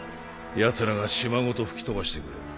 ヤツらが島ごと吹き飛ばしてくれる。